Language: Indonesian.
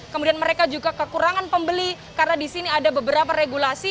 kemudian mereka juga kekurangan pembeli karena di sini ada beberapa regulasi